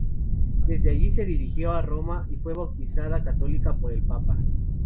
Desde allí se dirigió a Roma y fue bautizada católica por el Papa.